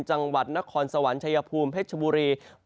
จังหวัดนครสวรรค์ชายภูมิเพชรชบุรี